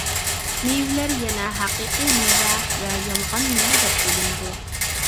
مېۋىلەر يەنە ھەقىقىي مېۋە ۋە يالغان مېۋە دەپ بۆلۈنىدۇ.